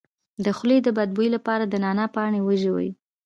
د خولې د بد بوی لپاره د نعناع پاڼې وژويئ